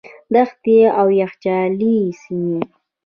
دښتې او یخچالي سیمې.